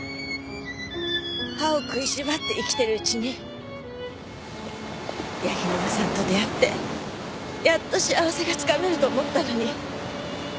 歯を食いしばって生きてるうちに柳沼さんと出会ってやっと幸せがつかめると思ったのに。